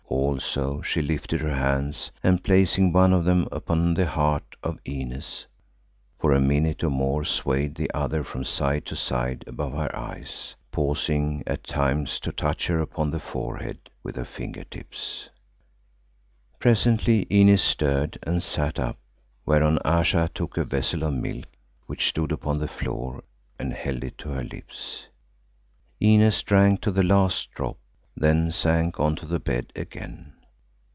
Also she lifted her hands and placing one of them upon the heart of Inez, for a minute or more swayed the other from side to side above her eyes, pausing at times to touch her upon the forehead with her finger tips. Presently Inez stirred and sat up, whereon Ayesha took a vessel of milk which stood upon the floor and held it to her lips. Inez drank to the last drop, then sank on to the bed again.